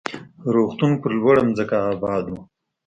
روغتون پر لوړه ځمکه اباد و.